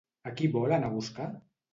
A qui vol anar a buscar?